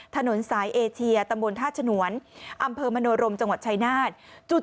ถนนสายเอเชียตำบลท่าฉนวนอำเภอมโนรมจังหวัดชายนาฏ